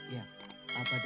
iya abah dan mak juga